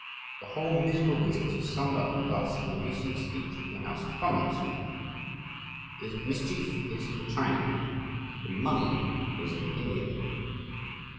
The whole miserable business was summed up thus in a recent speech in the House of Commons: "The mischief is in China; the money is in India."